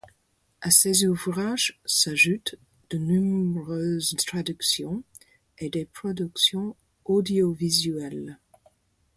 À ces ouvrages s'ajoutent de nombreuses traductions et des productions audiovisuelles.